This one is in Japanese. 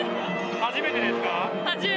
初めてです。